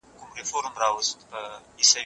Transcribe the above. پاکیزه اوس لیکنې نه کوي.